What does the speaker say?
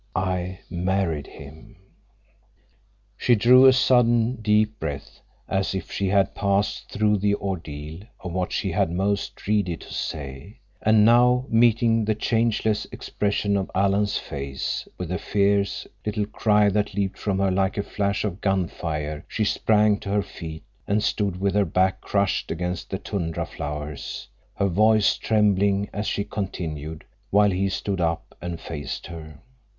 I married him." She drew a sudden, deep breath, as if she had passed through the ordeal of what she had most dreaded to say, and now, meeting the changeless expression of Alan's face with a fierce, little cry that leaped from her like a flash of gun fire, she sprang to her feet and stood with her back crushed against the tundra flowers, her voice trembling as she continued, while he stood up and faced her.